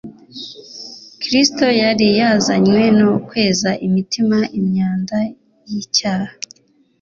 Kristo yari yazanywe no kweza imitima imyanda y'icyaha.